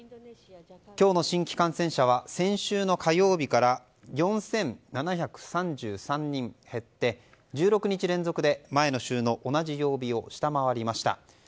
今日の新規感染者は先週の火曜日から４７３３人減って１６日連続で前の週の同じ曜日を下回りました。